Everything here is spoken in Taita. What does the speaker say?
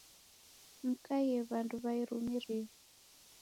Mkaie w'andu w'a irumirio